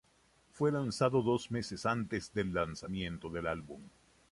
Fue lanzado dos meses antes del lanzamiento del álbum.